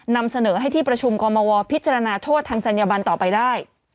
นำเสนอให้ที่ประชุมกรมวพิจารณาโทษทางจัญญบันต่อไปได้